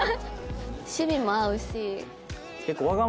趣味も合うし。